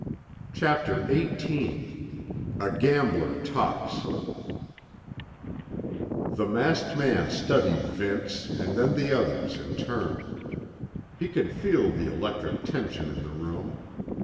Chapter XVIII A GAMBLER TALKS The masked man studied Vince and then the others in turn. He could feel the electric tension in the room.